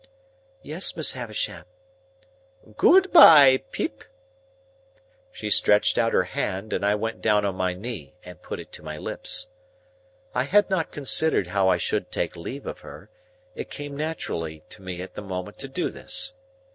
"Yes, Miss Havisham." "Good bye, Pip!" She stretched out her hand, and I went down on my knee and put it to my lips. I had not considered how I should take leave of her; it came naturally to me at the moment to do this.